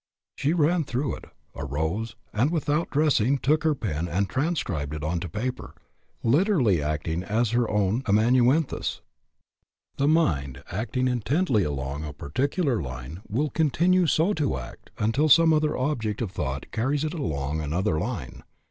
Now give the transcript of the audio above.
She ran through it, arose, and without dressing took her pen and transcribed it on to paper, literally acting simply as her own amanuensis. The mind acting intently along a particular line will continue so to act until some other object of thought carries it along another line.